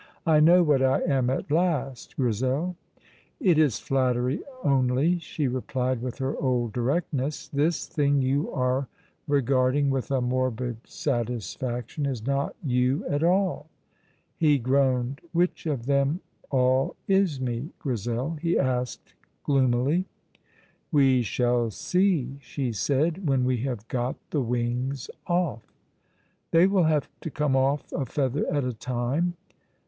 "I know what I am at last, Grizel" "It is flattery only," she replied with her old directness. "This thing you are regarding with a morbid satisfaction is not you at all." He groaned. "Which of them all is me, Grizel?" he asked gloomily. "We shall see," she said, "when we have got the wings off." "They will have to come off a feather at a time."